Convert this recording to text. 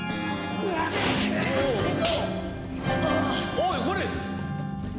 おいこれ！